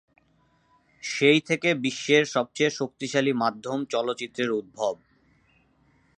সেই থেকে বিশ্বের সবচেয়ে শক্তিশালী মাধ্যম চলচ্চিত্রের উদ্ভব।